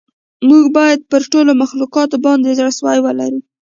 موږ باید پر ټولو مخلوقاتو باندې زړه سوی ولرو.